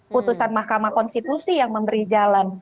putusan mahkamah konstitusi yang memberi jalan